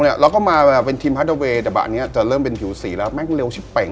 แล้วก็มาเป็นทีมฮาร์ดเตอร์เวย์แต่บันนี้จะเริ่มเป็นผิวสีแล้วแม่งเร็วชิบเป๋ง